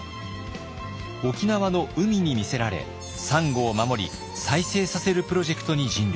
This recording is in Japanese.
沖縄の海に魅せられサンゴを守り再生させるプロジェクトに尽力。